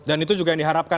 dan itu juga yang diharapkan